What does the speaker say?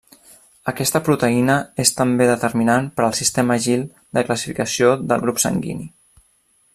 Aquesta proteïna és també determinant per al sistema Gil de classificació del grup sanguini.